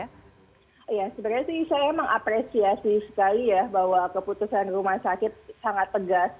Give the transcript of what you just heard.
ya sebenarnya sih saya mengapresiasi sekali ya bahwa keputusan rumah sakit sangat tegas